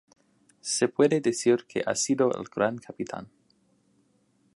Se puede decir que ha sido el Gran Capitán.